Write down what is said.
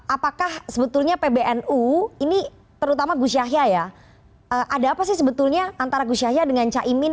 apakah sebetulnya pbnu ini terutama gus yahya ya ada apa sih sebetulnya antara gus yahya dengan caimin